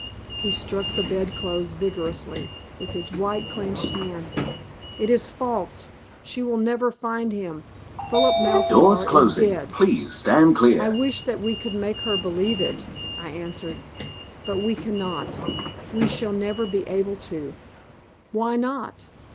He struck the bedclothes vigorously with his white, clenched hand. "It is false! She will never find him. Philip Maltabar is dead." "I wish that we could make her believe it," I answered. "But we cannot. We shall never be able to." "Why not?"